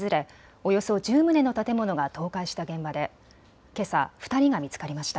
およそ１０棟の建物が倒壊した現場でけさ２人が見つかりました。